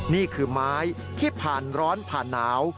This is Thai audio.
นี่คือไม้ที่ผ่านร้อนผ่านหนาว